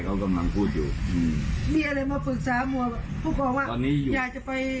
คุณหัวใจสลายไหมมีอะไรมาปรึกษาพูดของว่ายายจะไป